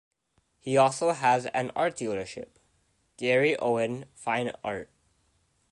He also has an art dealership, "Gary Owen Fine Art".